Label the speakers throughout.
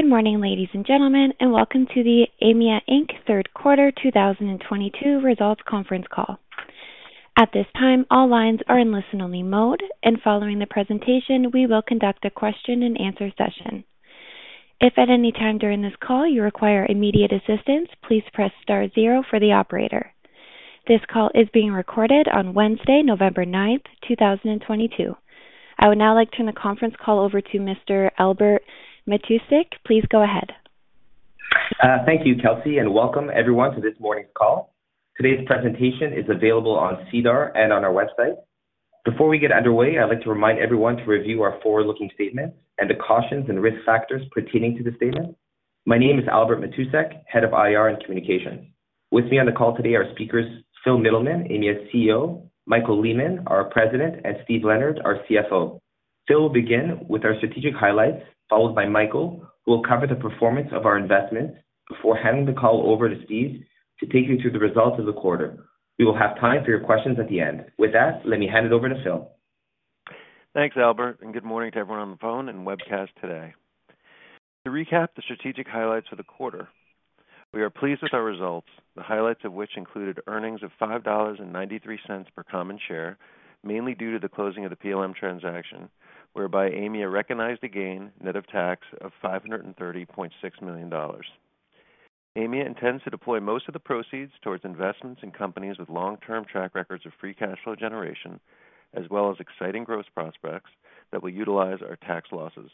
Speaker 1: Good morning, ladies and gentlemen, and welcome to the Aimia Inc. third quarter 2022 results conference call. At this time, all lines are in listen-only mode, and following the presentation, we will conduct a question and answer session. If at any time during this call you require immediate assistance, please press star zero for the operator. This call is being recorded on Wednesday, November 9, 2022. I would now like to turn the conference call over to Mr. Albert Matousek. Please go ahead.
Speaker 2: Thank you, Kelsey, and welcome everyone to this morning's call. Today's presentation is available on SEDAR and on our website. Before we get underway, I'd like to remind everyone to review our forward-looking statements and the cautions and risk factors pertaining to the statement. My name is Albert Matousek, Head of IR and Communications. With me on the call today are speakers Phil Mittleman, Aimia's CEO, Michael Lehmann, our President, and Steve Leonard, our CFO. Phil will begin with our strategic highlights, followed by Michael, who will cover the performance of our investments before handing the call over to Steve to take you through the results of the quarter. We will have time for your questions at the end. With that, let me hand it over to Phil.
Speaker 3: Thanks, Albert, and good morning to everyone on the phone and webcast today. To recap the strategic highlights for the quarter, we are pleased with our results, the highlights of which included earnings of 5.93 dollars per common share, mainly due to the closing of the PLM transaction, whereby Aimia recognized a gain net of tax of 530.6 million dollars. Aimia intends to deploy most of the proceeds towards investments in companies with long-term track records of free cash flow generation as well as exciting growth prospects that will utilize our tax losses.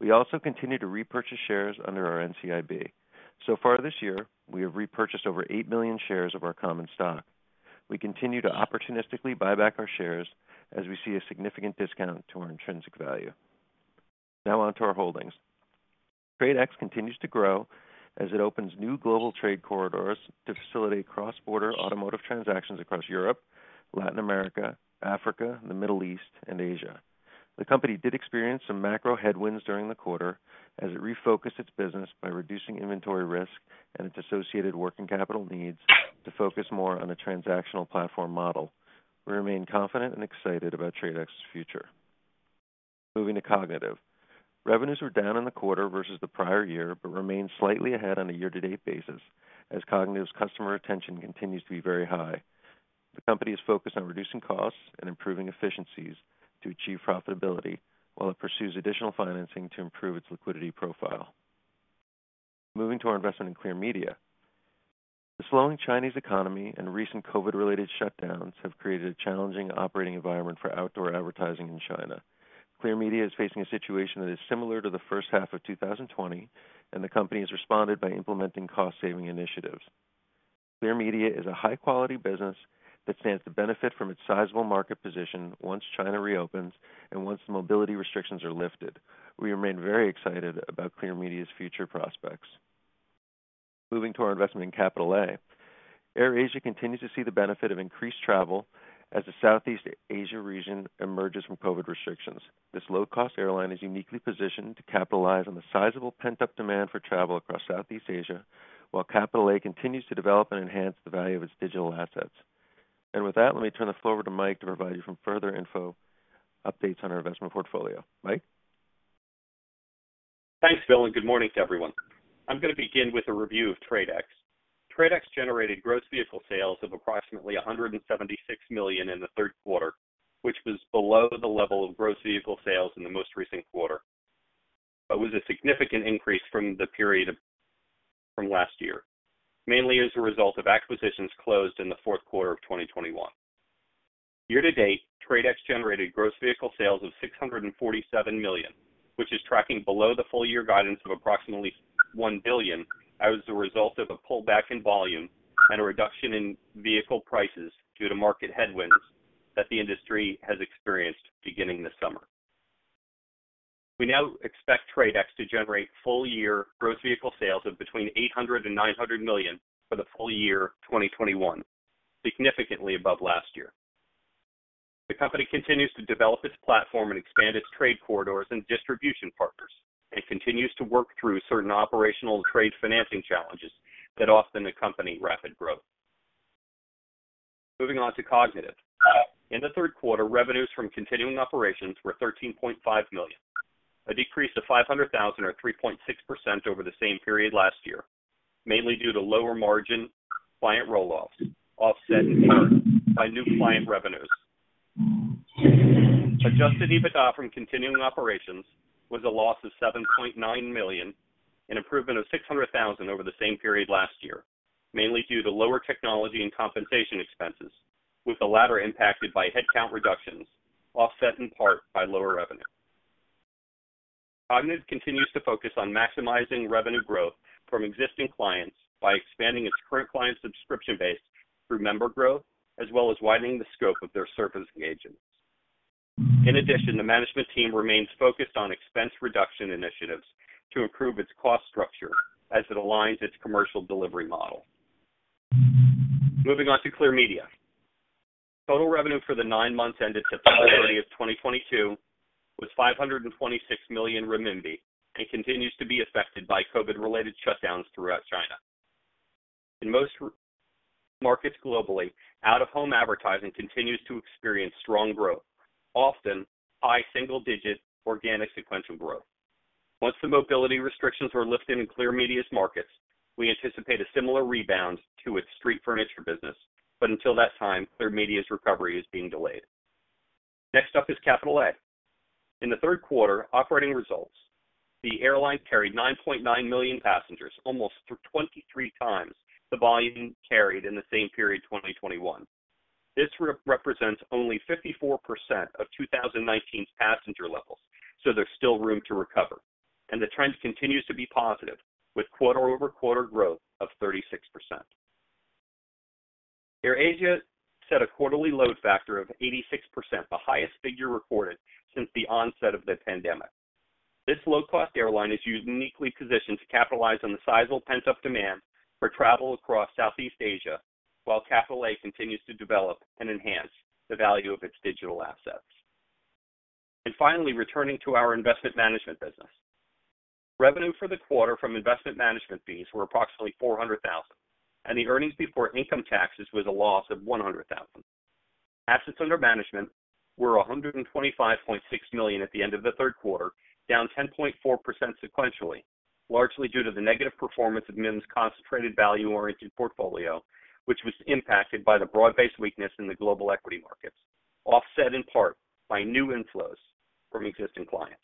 Speaker 3: We also continue to repurchase shares under our NCIB. So far this year, we have repurchased over 8 million shares of our common stock. We continue to opportunistically buy back our shares as we see a significant discount to our intrinsic value. Now on to our holdings. TRADE X continues to grow as it opens new global trade corridors to facilitate cross-border automotive transactions across Europe, Latin America, Africa, the Middle East, and Asia. The company did experience some macro headwinds during the quarter as it refocused its business by reducing inventory risk and its associated working capital needs to focus more on a transactional platform model. We remain confident and excited about TRADE X's future. Moving to Kognitiv. Revenues were down in the quarter versus the prior year, but remained slightly ahead on a year-to-date basis as Kognitiv's customer retention continues to be very high. The company is focused on reducing costs and improving efficiencies to achieve profitability while it pursues additional financing to improve its liquidity profile. Moving to our investment in Clear Media. The slowing Chinese economy and recent COVID-related shutdowns have created a challenging operating environment for outdoor advertising in China. Clear Media is facing a situation that is similar to the first half of 2020, and the company has responded by implementing cost-saving initiatives. Clear Media is a high-quality business that stands to benefit from its sizable market position once China reopens and once the mobility restrictions are lifted. We remain very excited about Clear Media's future prospects. Moving to our investment in Capital A. AirAsia continues to see the benefit of increased travel as the Southeast Asia region emerges from COVID restrictions. This low-cost airline is uniquely positioned to capitalize on the sizable pent-up demand for travel across Southeast Asia, while Capital A continues to develop and enhance the value of its digital assets. With that, let me turn the floor over to Mike to provide you some further info updates on our investment portfolio. Mike?
Speaker 4: Thanks, Phil, and good morning to everyone. I'm gonna begin with a review of TRADE X. TRADE X generated gross vehicle sales of approximately 176 million in the third quarter, which was below the level of gross vehicle sales in the most recent quarter, but was a significant increase from the period from last year, mainly as a result of acquisitions closed in the fourth quarter of 2021. Year to date, TRADE X generated gross vehicle sales of 647 million, which is tracking below the full year guidance of approximately 1 billion as a result of a pullback in volume and a reduction in vehicle prices due to market headwinds that the industry has experienced beginning this summer. We now expect TRADE X to generate full year gross vehicle sales of between 800 million and 900 million for the full year 2021, significantly above last year. The company continues to develop its platform and expand its trade corridors and distribution partners. It continues to work through certain operational trade financing challenges that often accompany rapid growth. Moving on to Kognitiv. In the third quarter, revenues from continuing operations were 13.5 million, a decrease of 500,000 or 3.6% over the same period last year, mainly due to lower margin client roll-offs offset in turn by new client revenues. Adjusted EBITDA from continuing operations was a loss of 7.9 million, an improvement of 600,000 over the same period last year, mainly due to lower technology and compensation expenses, with the latter impacted by headcount reductions offset in part by lower revenue. Kognitiv continues to focus on maximizing revenue growth from existing clients by expanding its current client subscription base through member growth, as well as widening the scope of their service engagements. In addition, the management team remains focused on expense reduction initiatives to improve its cost structure as it aligns its commercial delivery model. Moving on to Clear Media. Total revenue for the nine months ended February of 30, 2022 was 526 million renminbi and continues to be affected by COVID-related shutdowns throughout China. In most markets globally, out-of-home advertising continues to experience strong growth, often high single digit organic sequential growth. Once the mobility restrictions are lifted in Clear Media's markets, we anticipate a similar rebound to its street furniture business, but until that time, Clear Media's recovery is being delayed. Next up is Capital A. In the third quarter operating results, the airline carried 9.9 million passengers, almost 23 times the volume carried in the same period 2021. This represents only 54% of 2019's passenger levels, so there's still room to recover. The trend continues to be positive, with quarter-over-quarter growth of 36%. AirAsia set a quarterly load factor of 86%, the highest figure recorded since the onset of the pandemic. This low-cost airline is uniquely positioned to capitalize on the sizable pent-up demand for travel across Southeast Asia, while Capital A continues to develop and enhance the value of its digital assets. Finally, returning to our investment management business. Revenue for the quarter from investment management fees were approximately 400 thousand, and the earnings before income taxes was a loss of 100 thousand. Assets under management were 125.6 million at the end of the third quarter, down 10.4% sequentially, largely due to the negative performance of MIM's concentrated value-oriented portfolio, which was impacted by the broad-based weakness in the global equity markets, offset in part by new inflows from existing clients.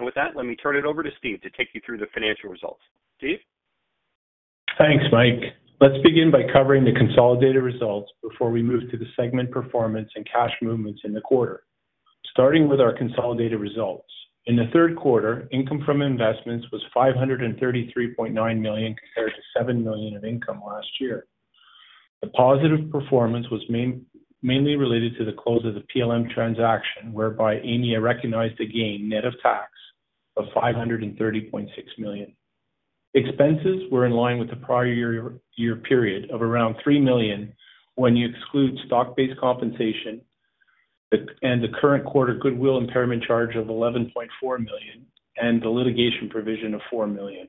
Speaker 4: With that, let me turn it over to Steve to take you through the financial results. Steve?
Speaker 5: Thanks, Mike. Let's begin by covering the consolidated results before we move to the segment performance and cash movements in the quarter. Starting with our consolidated results. In the third quarter, income from investments was 533.9 million compared to 7 million of income last year. The positive performance was mainly related to the close of the PLM transaction, whereby Aimia recognized a gain net of tax of 530.6 million. Expenses were in line with the prior year period of around 3 million when you exclude stock-based compensation and the current quarter goodwill impairment charge of 11.4 million and the litigation provision of 4 million.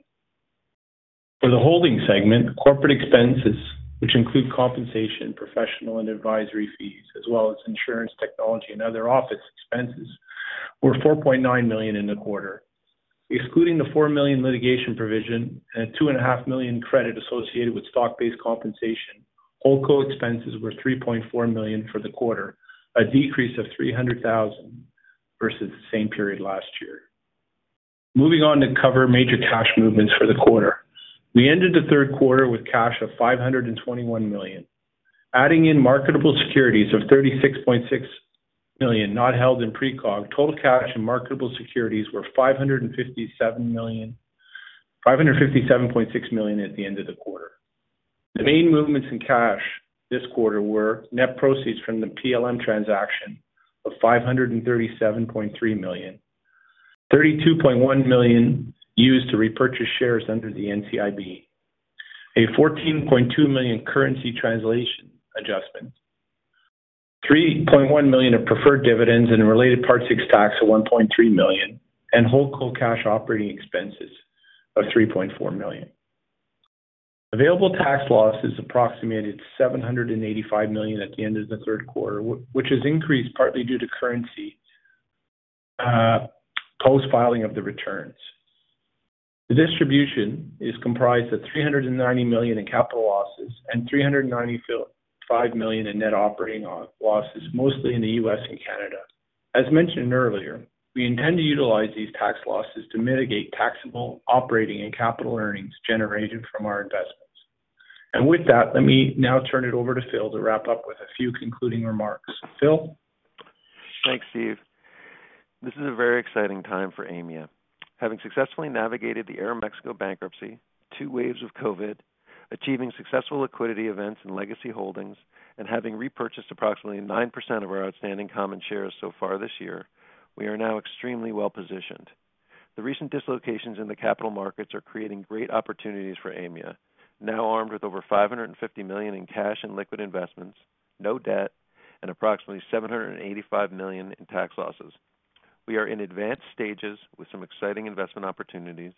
Speaker 5: For the holding segment, corporate expenses, which include compensation, professional and advisory fees, as well as insurance, technology and other office expenses, were 4.9 million in the quarter. Excluding the 4 million litigation provision and 2.5 million credit associated with stock-based compensation, Holdco expenses were 3.4 million for the quarter, a decrease of 300,000 versus the same period last year. Moving on to cover major cash movements for the quarter. We ended the third quarter with cash of 521 million. Adding in marketable securities of 36.6 million not held in Precog, total cash and marketable securities were 557 million, 557.6 million at the end of the quarter. The main movements in cash this quarter were net proceeds from the PLM transaction of 537.3 million, 32.1 million used to repurchase shares under the NCIB, a 14.2 million currency translation adjustment, 3.1 million of preferred dividends and a related Part VI tax of 1.3 million, and Holdco cash operating expenses of 3.4 million. Available tax losses approximated 785 million at the end of the third quarter, which has increased partly due to currency post-filing of the returns. The distribution is comprised of 390 million in capital losses and 395 million in net operating losses, mostly in the U.S. and Canada. As mentioned earlier, we intend to utilize these tax losses to mitigate taxable operating and capital earnings generated from our investments. With that, let me now turn it over to Phil to wrap up with a few concluding remarks. Phil?
Speaker 3: Thanks, Steve. This is a very exciting time for Aimia. Having successfully navigated the Aeroméxico bankruptcy, two waves of COVID, achieving successful liquidity events and legacy holdings, and having repurchased approximately 9% of our outstanding common shares so far this year, we are now extremely well positioned. The recent dislocations in the capital markets are creating great opportunities for Aimia, now armed with over 550 million in cash and liquid investments, no debt, and approximately 785 million in tax losses. We are in advanced stages with some exciting investment opportunities,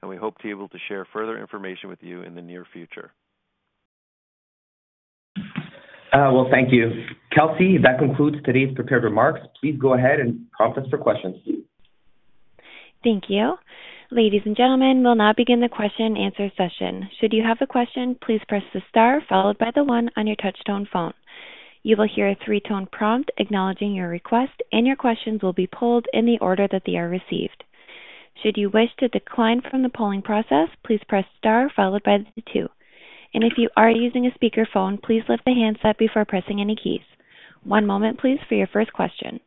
Speaker 3: and we hope to be able to share further information with you in the near future.
Speaker 5: Thank you. Kelsey, that concludes today's prepared remarks. Please go ahead and conference for questions.
Speaker 1: Thank you. Ladies and gentlemen, we'll now begin the question and answer session. Should you have a question, please press the star followed by the one on your touchtone phone. You will hear a three-tone prompt acknowledging your request, and your questions will be polled in the order that they are received. Should you wish to decline from the polling process, please press star followed by the two. If you are using a speakerphone, please lift the handset before pressing any keys. One moment, please, for your first question.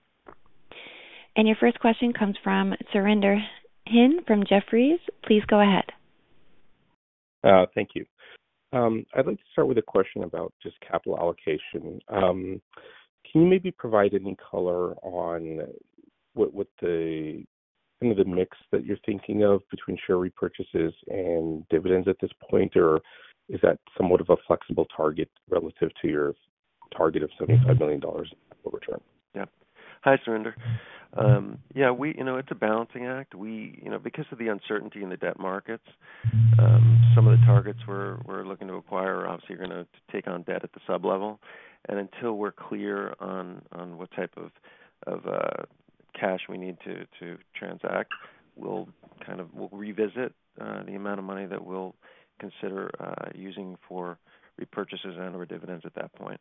Speaker 1: Your first question comes from Surinder Thind from Jefferies. Please go ahead.
Speaker 6: Thank you. I'd like to start with a question about just capital allocation. Can you maybe provide any color on what some of the mix that you're thinking of between share repurchases and dividends at this point? Is that somewhat of a flexible target relative to your target of 75 million dollars over return.
Speaker 3: Yeah. Hi, Surinder. Yeah, we, you know, it's a balancing act. We, you know, because of the uncertainty in the debt markets, some of the targets we're looking to acquire are obviously gonna take on debt at the sub-level. Until we're clear on what type of cash we need to transact, we'll revisit the amount of money that we'll consider using for repurchases and/or dividends at that point.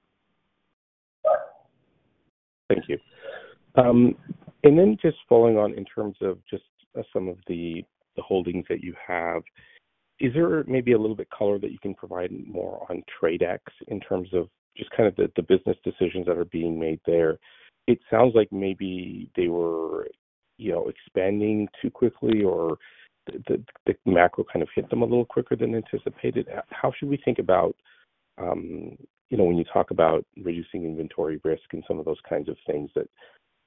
Speaker 6: Thank you. Just following on in terms of just some of the holdings that you have, is there maybe a little bit color that you can provide more on TRADE X in terms of just kind of the business decisions that are being made there? It sounds like maybe they were, you know, expanding too quickly or the macro kind of hit them a little quicker than anticipated. How should we think about, you know, when you talk about reducing inventory risk and some of those kinds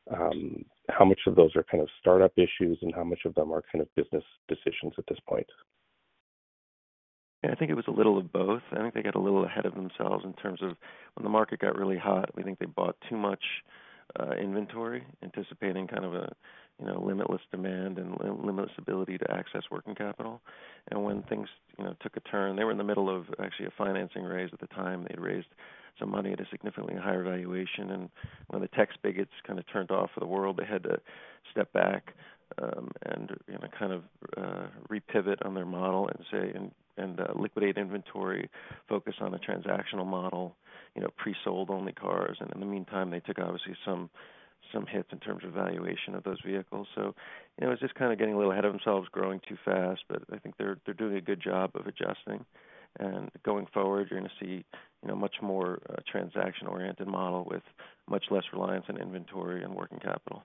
Speaker 6: of things that how much of those are kind of startup issues and how much of them are kind of business decisions at this point?
Speaker 3: Yeah, I think it was a little of both. I think they got a little ahead of themselves in terms of when the market got really hot, we think they bought too much inventory, anticipating kind of a, you know, limitless demand and limitless ability to access working capital. When things, you know, took a turn, they were in the middle of actually a financing raise at the time. They had raised some money at a significantly higher valuation. When the tech spigots kind of turned off for the world, they had to step back and, you know, kind of repivot on their model and say liquidate inventory, focus on the transactional model, you know, pre-sold only cars. In the meantime, they took obviously some hits in terms of valuation of those vehicles. You know, it was just kind of getting a little ahead of themselves, growing too fast. I think they're doing a good job of adjusting. Going forward, you're gonna see, you know, much more, transaction-oriented model with much less reliance on inventory and working capital.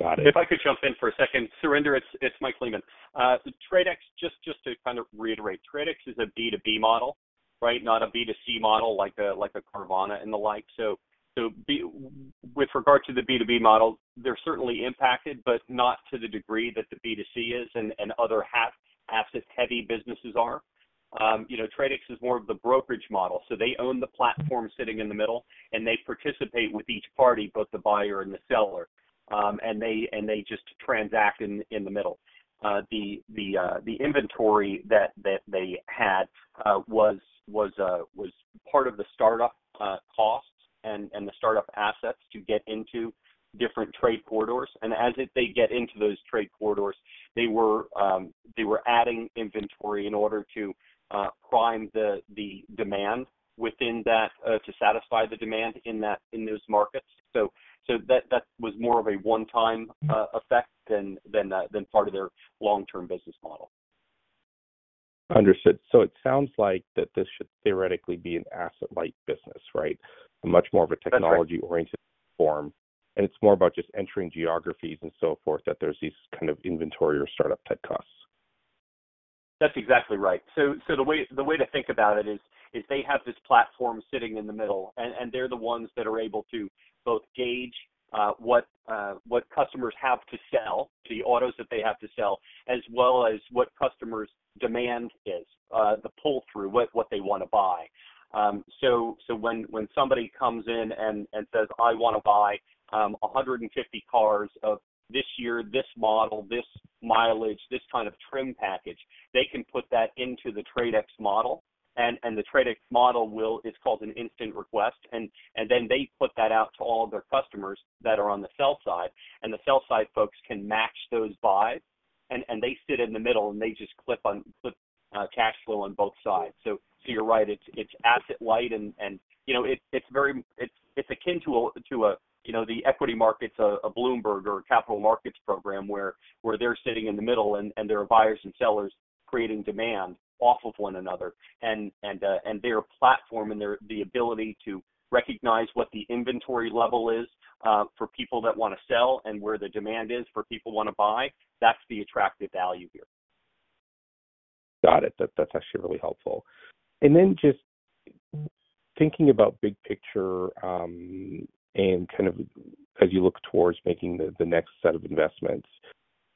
Speaker 6: Got it.
Speaker 4: If I could jump in for a second. Surinder, it's Mike Lehmann. TRADE X, just to kind of reiterate, TRADE X is a B2B model, right? Not a B2C model like a Carvana and the like. With regard to the B2B model, they're certainly impacted, but not to the degree that the B2C is and other asset-heavy businesses are. You know, TRADE X is more of the brokerage model, so they own the platform sitting in the middle, and they participate with each party, both the buyer and the seller. They just transact in the middle. The inventory that they had was part of the startup costs and the startup assets to get into different trade corridors. They get into those trade corridors, they were adding inventory in order to prime the demand within that to satisfy the demand in those markets. That was more of a one-time effect than part of their long-term business model.
Speaker 6: Understood. It sounds like that this should theoretically be an asset-light business, right?
Speaker 4: That's right.
Speaker 6: Much more of a technology-oriented form, and it's more about just entering geographies and so forth, that there's these kind of inventory or startup tech costs.
Speaker 4: That's exactly right. The way to think about it is they have this platform sitting in the middle and they're the ones that are able to both gauge what customers have to sell, the autos that they have to sell, as well as what customers' demand is, the pull-through, what they wanna buy. When somebody comes in and says, "I wanna buy 150 cars of this year, this model, this mileage, this kind of trim package," they can put that into the TRADE X model and the TRADE X model will. It's called an instant request. Then they put that out to all of their customers that are on the sell side, and the sell side folks can match those buys. They sit in the middle, and they just clip on cash flow on both sides. You're right, it's asset light and, you know, it's very akin to, you know, the equity markets of Bloomberg or a capital markets program where they're sitting in the middle and there are buyers and sellers creating demand off of one another. Their platform and the ability to recognize what the inventory level is for people that wanna sell and where the demand is for people who wanna buy, that's the attractive value here.
Speaker 6: That's actually really helpful. Then just thinking about big picture, and kind of as you look towards making the next set of investments,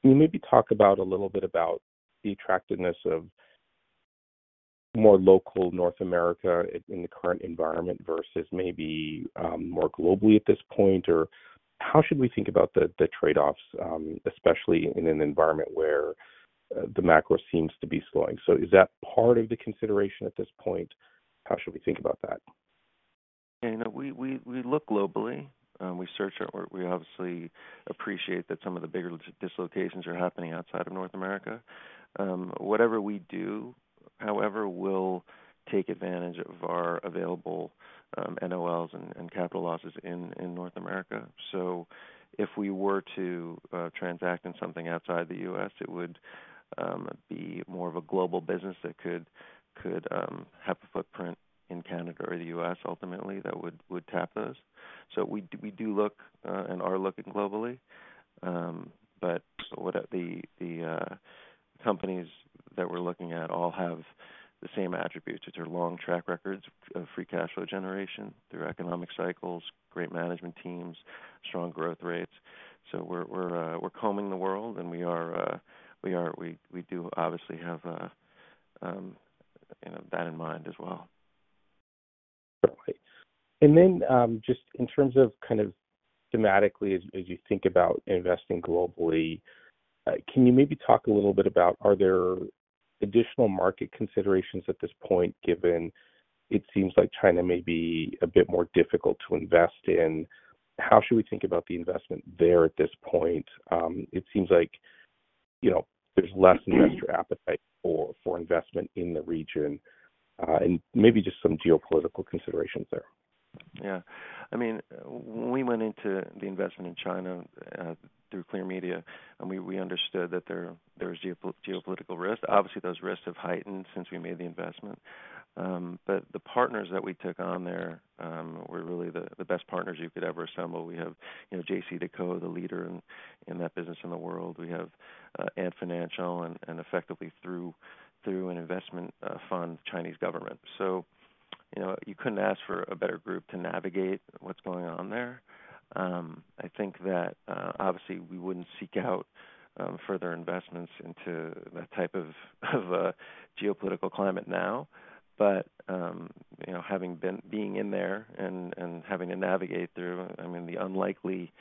Speaker 6: can you maybe talk about a little bit about the attractiveness of more local North America in the current environment versus maybe more globally at this point, or how should we think about the trade-offs, especially in an environment where the macro seems to be slowing? Is that part of the consideration at this point? How should we think about that?
Speaker 3: Yeah, no, we look globally. We obviously appreciate that some of the bigger dislocations are happening outside of North America. Whatever we do, however, will take advantage of our available NOLs and capital losses in North America. If we were to transact in something outside the U.S. It would be more of a global business that could have a footprint in Canada or the U.S. ultimately that would tap those. We do look and are looking globally. But the companies that we're looking at all have the same attributes, which are long track records of free cash flow generation through economic cycles, great management teams. Strong growth rates. We're combing the world, and we do obviously have, you know, that in mind as well.
Speaker 6: Right. Just in terms of kind of thematically as you think about investing globally, can you maybe talk a little bit about are there additional market considerations at this point, given it seems like China may be a bit more difficult to invest in? How should we think about the investment there at this point? It seems like, you know, there's less and less.
Speaker 3: Mm-hmm.
Speaker 6: appetite for investment in the region, and maybe just some geopolitical considerations there.
Speaker 3: Yeah. I mean, when we went into the investment in China, through Clear Media, and we understood that there was geopolitical risk. Obviously, those risks have heightened since we made the investment. The partners that we took on there were really the best partners you could ever assemble. We have, you know, JCDecaux, the leader in that business in the world. We have Ant Financial and effectively through an investment fund, Chinese government. You know, you couldn't ask for a better group to navigate what's going on there. I think that obviously we wouldn't seek out further investments into that type of a geopolitical climate now. You know, being in there and having to navigate through, I mean, the unlikely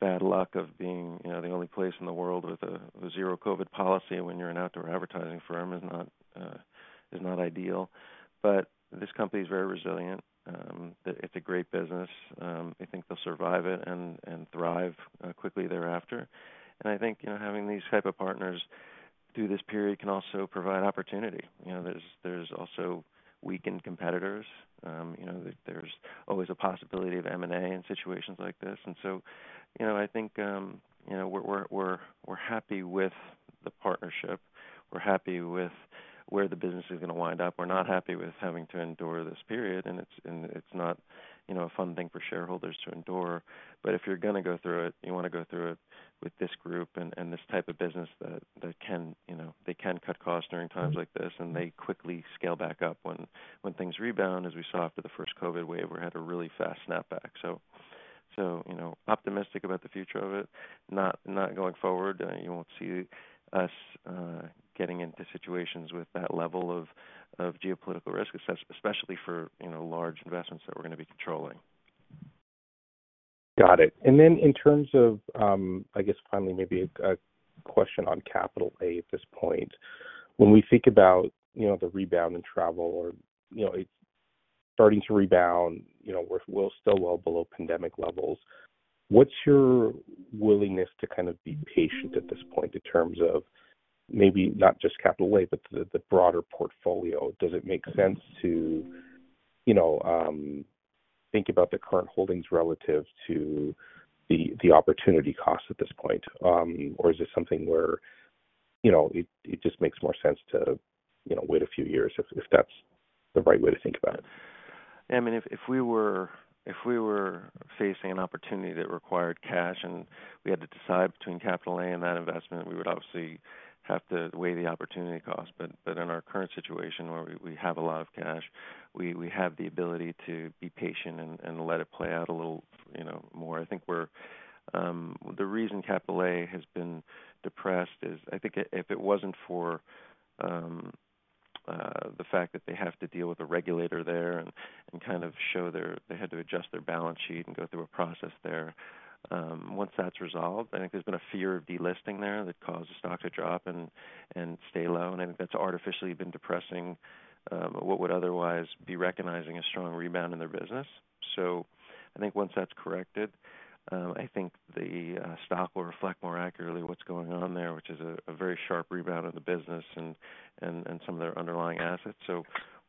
Speaker 3: bad luck of being, you know, the only place in the world with zero COVID policy when you're an outdoor advertising firm is not ideal. This company is very resilient. It's a great business. I think they'll survive it and thrive quickly thereafter. I think, you know, having these type of partners through this period can also provide opportunity. You know, there's also weakened competitors. You know, there's always a possibility of M&A in situations like this. You know, I think, you know, we're happy with the partnership. We're happy with where the business is gonna wind up. We're not happy with having to endure this period, and it's not, you know, a fun thing for shareholders to endure. If you're gonna go through it, you wanna go through it with this group and this type of business that can, you know, they can cut costs during times like this, and they quickly scale back up when things rebound, as we saw after the first COVID wave. We had a really fast snapback. You know, optimistic about the future of it. Not going forward. You won't see us getting into situations with that level of geopolitical risk, especially for, you know, large investments that we're gonna be controlling.
Speaker 6: Got it. In terms of, I guess finally maybe a question on Capital A at this point. When we think about, you know, the rebound in travel or, you know, it's starting to rebound, you know, we're still well below pandemic levels, what's your willingness to kind of be patient at this point in terms of maybe not just Capital A, but the broader portfolio? Does it make sense to, you know, think about the current holdings relative to the opportunity cost at this point? Or is this something where, you know, it just makes more sense to, you know, wait a few years if that's the right way to think about it?
Speaker 3: I mean, if we were facing an opportunity that required cash and we had to decide between Capital A and that investment, we would obviously have to weigh the opportunity cost. In our current situation where we have a lot of cash, we have the ability to be patient and let it play out a little, you know, more. The reason Capital A has been depressed is I think if it wasn't for the fact that they have to deal with a regulator there and they had to adjust their balance sheet and go through a process there. Once that's resolved, I think there's been a fear of delisting there that caused the stock to drop and stay low, and I think that's artificially been depressing what would otherwise be recognizing a strong rebound in their business. I think once that's corrected, I think the stock will reflect more accurately what's going on there, which is a very sharp rebound of the business and some of their underlying assets.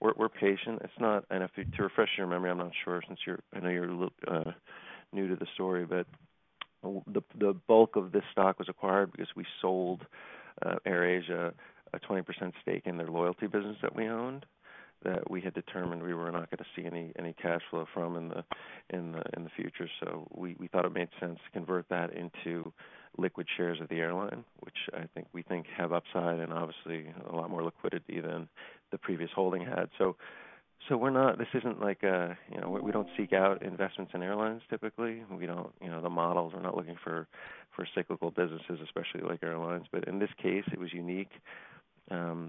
Speaker 3: We're patient. It's not to refresh your memory, I'm not sure since you're. I know you're a little new to the story, but the bulk of this stock was acquired because we sold AirAsia a 20% stake in their loyalty business that we owned, that we had determined we were not gonna see any cash flow from in the future. We thought it made sense to convert that into liquid shares of the airline, which we think have upside and obviously a lot more liquidity than the previous holding had. We're not. This isn't like a, you know, we don't seek out investments in airlines typically. We don't. You know, the models are not looking for cyclical businesses, especially like airlines. In this case, it was unique, the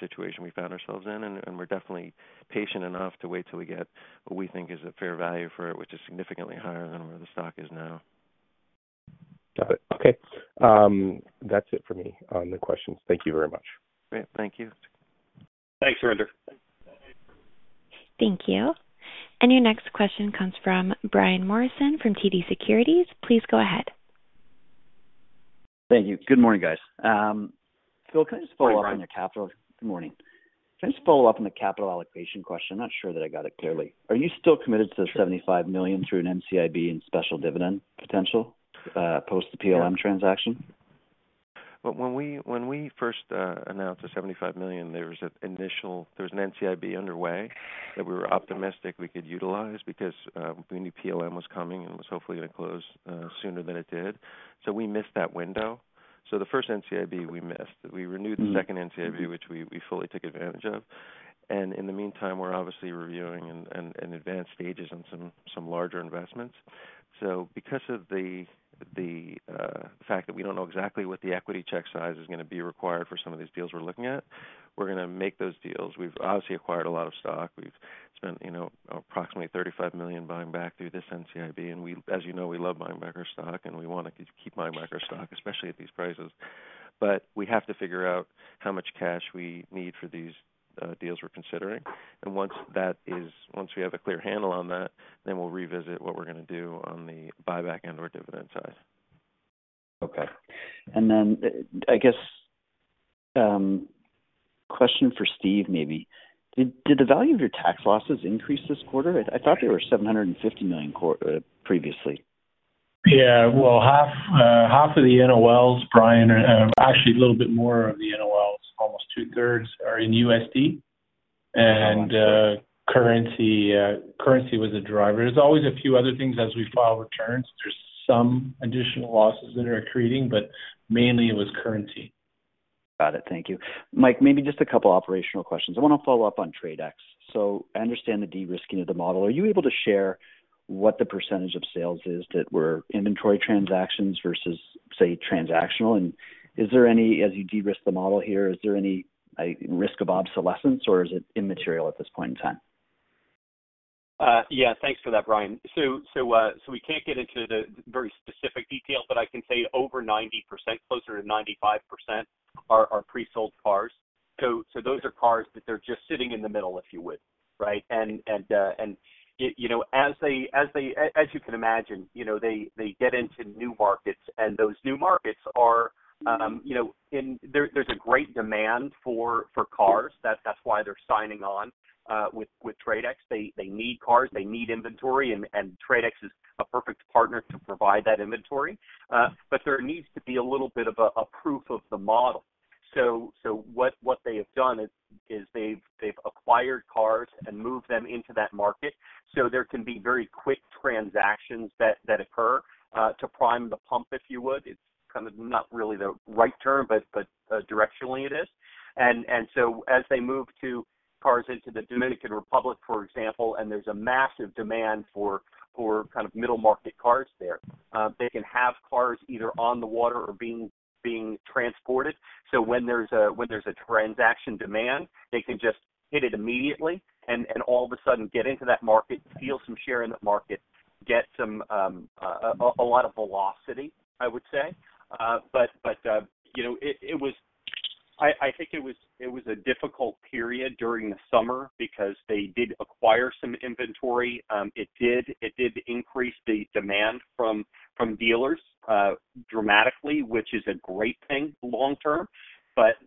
Speaker 3: situation we found ourselves in and we're definitely patient enough to wait till we get what we think is a fair value for it, which is significantly higher than where the stock is now.
Speaker 6: Got it. Okay. That's it for me on the questions. Thank you very much.
Speaker 3: Great. Thank you.
Speaker 4: Thanks, Surinder.
Speaker 3: Thanks.
Speaker 1: Thank you. Your next question comes from Brian Morrison from TD Securities. Please go ahead.
Speaker 7: Thank you. Good morning, guys. Phil, can I just follow up-
Speaker 3: Hi, Brian.
Speaker 7: On your capital? Good morning. Can I just follow up on the capital allocation question? I'm not sure that I got it clearly. Are you still committed to the 75 million through an NCIB and special dividend potential, post the PLM transaction?
Speaker 3: Well, when we first announced the 75 million, there was an NCIB underway that we were optimistic we could utilize because we knew PLM was coming and was hopefully gonna close sooner than it did. We missed that window. The first NCIB we missed. We renewed the second NCIB, which we fully took advantage of. In the meantime, we're obviously reviewing and in advanced stages on some larger investments. Because of the fact that we don't know exactly what the equity check size is gonna be required for some of these deals we're looking at, we're gonna make those deals. We've obviously acquired a lot of stock. We've spent, you know, approximately 35 million buying back through this NCIB. As you know, we love buying back our stock, and we wanna keep buying back our stock, especially at these prices. We have to figure out how much cash we need for these deals we're considering. Once we have a clear handle on that, then we'll revisit what we're gonna do on the buyback and our dividend side.
Speaker 7: Okay. I guess, question for Steve, maybe. Did the value of your tax losses increase this quarter? I thought they were 750 million previously.
Speaker 5: Well, half of the NOLs, Brian, are actually a little bit more of the NOLs is almost two-thirds are in USD.
Speaker 7: Got it.
Speaker 5: Currency was a driver. There's always a few other things as we file returns. There's some additional losses that are accreting, but mainly it was currency.
Speaker 7: Got it. Thank you. Mike, maybe just a couple operational questions. I wanna follow up on TRADE X. I understand the de-risking of the model. Are you able to share what the percentage of sales is that were inventory transactions versus, say, transactional? As you de-risk the model here, is there any risk of obsolescence, or is it immaterial at this point in time?
Speaker 4: Yeah. Thanks for that, Brian. We can't get into the very specific details, but I can say over 90%, closer to 95% are pre-sold cars. Those are cars that they're just sitting in the middle, if you would, right? You know, as you can imagine, you know, they get into new markets, and those new markets are, you know, and there's a great demand for cars. That's why they're signing on with TRADE X. They need cars, they need inventory, and TRADE X is a perfect partner to provide that inventory. But there needs to be a little bit of a proof of the model. What they have done is they've acquired cars and moved them into that market, so there can be very quick transactions that occur to prime the pump, if you would. It's kind of not really the right term, but directionally it is. As they move cars into the Dominican Republic, for example, and there's a massive demand for kind of middle market cars there, they can have cars either on the water or being transported. When there's a transaction demand, they can just hit it immediately and all of a sudden get into that market, feel some share in that market, get some a lot of velocity, I would say. You know, it was. I think it was a difficult period during the summer because they acquired some inventory. It did increase the demand from dealers dramatically, which is a great thing long term.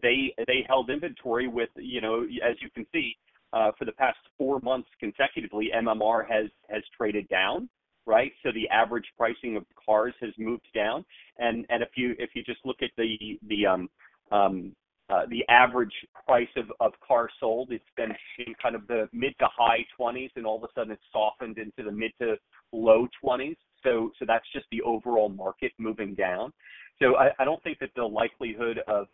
Speaker 4: They held inventory with, you know, as you can see, for the past four months consecutively, MMR has traded down, right? The average pricing of cars has moved down. If you just look at the average price of cars sold, it's been kind of the mid to high twenties, and all of a sudden it softened into the mid to low twenties. That's just the overall market moving down. I don't think that the likelihood of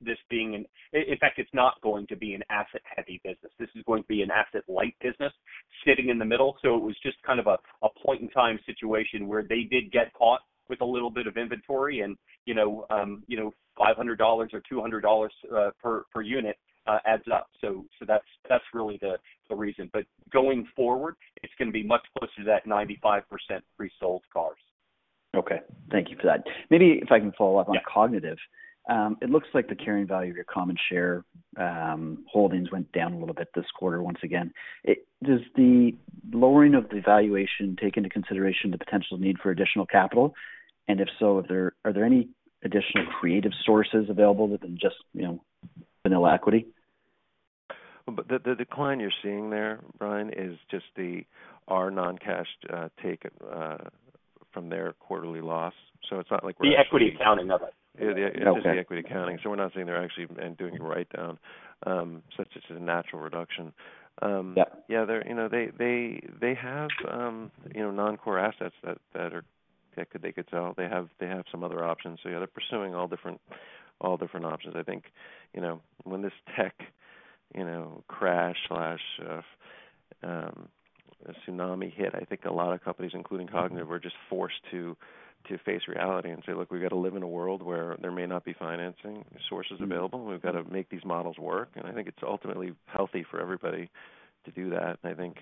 Speaker 4: this being an asset-heavy business. In fact, it's not going to be an asset-heavy business. This is going to be an asset-light business sitting in the middle. It was just kind of a point in time situation where they did get caught with a little bit of inventory and, you know, 500 dollars or 200 dollars per unit adds up. That's really the reason. Going forward, it's gonna be much closer to that 95% pre-sold cars.
Speaker 7: Okay. Thank you for that. Maybe if I can follow up.
Speaker 4: Yeah.
Speaker 7: On Kognitiv. It looks like the carrying value of your common share holdings went down a little bit this quarter once again. Does the lowering of the valuation take into consideration the potential need for additional capital? If so, are there any additional creative sources available within just, you know, vanilla equity?
Speaker 3: The decline you're seeing there, Brian, is just our non-cash charge from their quarterly loss. It's not like we're-
Speaker 7: The equity accounting of it.
Speaker 3: Yeah.
Speaker 7: Okay.
Speaker 3: It is the equity accounting. We're not saying they're actually and doing a write down. It's just a natural reduction.
Speaker 7: Yeah.
Speaker 3: Yeah, they're, you know, they have non-core assets that they could sell. They have some other options. Yeah, they're pursuing all different options. I think, you know, when this tech crash, tsunami hit, I think a lot of companies, including Kognitiv, were just forced to face reality and say, "Look, we've got to live in a world where there may not be financing sources available. We've got to make these models work." I think it's ultimately healthy for everybody to do that. I think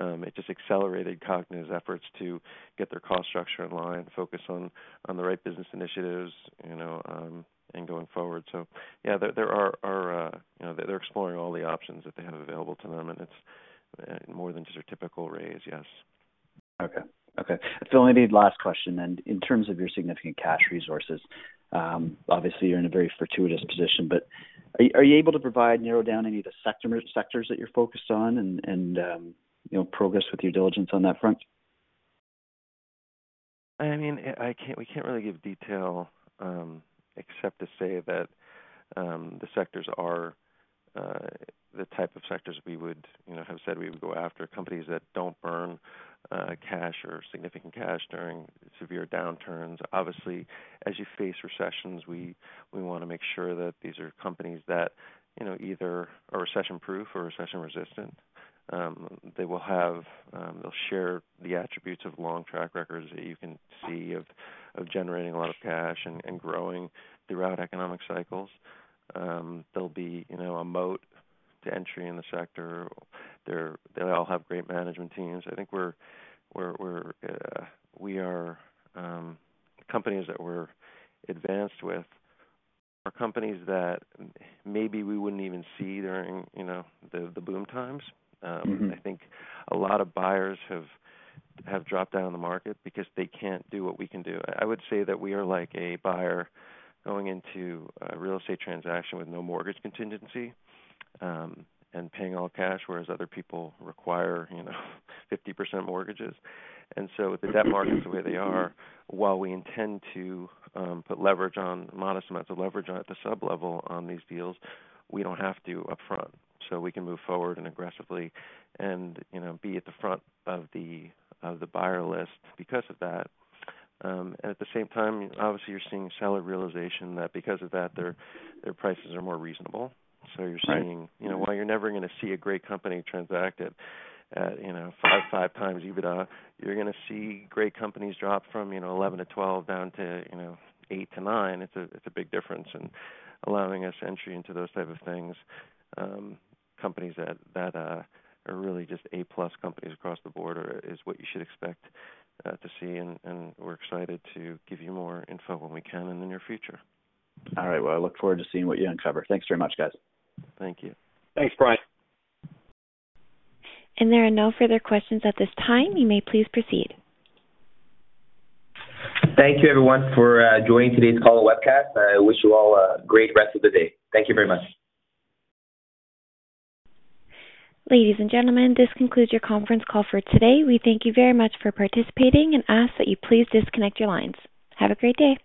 Speaker 3: it just accelerated Kognitiv's efforts to get their cost structure in line, focus on the right business initiatives, you know, and going forward. Yeah, there are, you know. They're exploring all the options that they have available to them, and it's more than just a typical raise. Yes.
Speaker 7: Okay. If only last question. In terms of your significant cash resources, obviously you're in a very fortuitous position. Are you able to provide, narrow down any of the sector, sectors that you're focused on and you know, progress with due diligence on that front?
Speaker 3: I mean, we can't really give detail, except to say that the sectors are the type of sectors we would, you know, have said we would go after, companies that don't burn cash or significant cash during severe downturns. Obviously, as you face recessions, we wanna make sure that these are companies that, you know, either are recession-proof or recession-resistant. They'll share the attributes of long track records that you can see of generating a lot of cash and growing throughout economic cycles. They'll be, you know, a moat to entry in the sector. They all have great management teams. I think companies that we're advanced with are companies that maybe we wouldn't even see during, you know, the boom times.
Speaker 7: Mm-hmm.
Speaker 3: I think a lot of buyers have dropped out of the market because they can't do what we can do. I would say that we are like a buyer going into a real estate transaction with no mortgage contingency, and paying all cash, whereas other people require, you know, 50% mortgages. With the debt markets the way they are, while we intend to put modest amounts of leverage on at the sub level on these deals, we don't have to up front. We can move forward aggressively and, you know, be at the front of the buyer list because of that. At the same time, obviously you're seeing seller realization that because of that, their prices are more reasonable.
Speaker 7: Right. You're seeing, you know, while you're never gonna see a great company transact at, you know, 5x EBITDA, you're gonna see great companies drop from, you know, 11-12 down to, you know, 8-9. It's a big difference in allowing us entry into those type of things. Companies that are really just A-plus companies across the board is what you should expect to see, and we're excited to give you more info when we can in the near future. All right. Well, I look forward to seeing what you uncover. Thanks very much, guys.
Speaker 4: Thank you. Thanks, Brian.
Speaker 1: There are no further questions at this time. You may please proceed.
Speaker 2: Thank you, everyone, for joining today's call and webcast. I wish you all a great rest of the day. Thank you very much.
Speaker 1: Ladies and gentlemen, this concludes your conference call for today. We thank you very much for participating and ask that you please disconnect your lines. Have a great day.